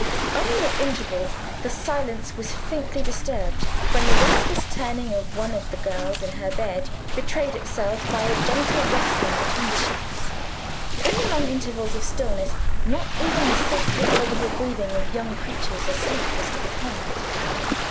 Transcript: Only at intervals the silence was faintly disturbed, when the restless turning of one of the girls in her bed betrayed itself by a gentle rustling between the sheets. In the long intervals of stillness, not even the softly audible breathing of young creatures asleep was to be heard.